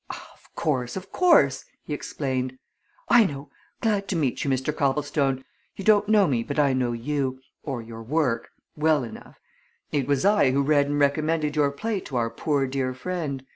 "Of course of course!" he explained. "I know! Glad to meet you, Mr. Copplestone you don't know me, but I know you or your work well enough. It was I who read and recommended your play to our poor dear friend.